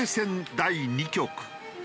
第２局。